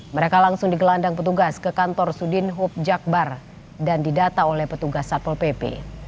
mereka langsung digelandang petugas ke kantor sudin hub jakbar dan didata oleh petugas satpol pp